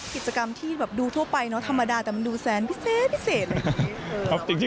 กิจกรรมที่ดูทั่วไปธรรมดาแต่มันดูแสนพิเศษอะไรอย่างนี้